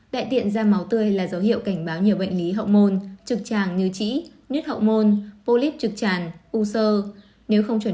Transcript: đại tiện da máu tươi dấu hiệu thường gặp